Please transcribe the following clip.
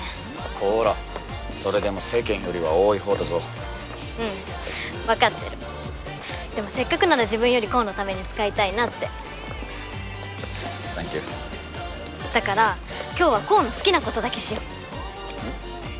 こらそれでも世間よりは多いほうだぞうん分かってるでもせっかくなら自分より煌のために使いたいなってサンキュだから今日は煌の好きなことだけしよううん？